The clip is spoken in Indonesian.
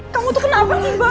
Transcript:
kamu tuh kenapa sih bang